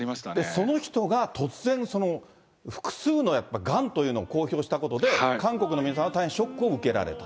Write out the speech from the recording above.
その人が突然、複数のやっぱ、がんというのを公表したことで、韓国の皆さんは大変ショックを受けられた。